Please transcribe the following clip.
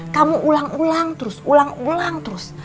kamu ulang ulang terus ulang ulang terus